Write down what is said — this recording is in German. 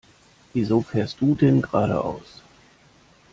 Wieso fährst du denn geradeaus?